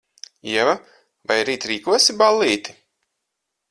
Ieva, vai rīt rīkosi ballīti?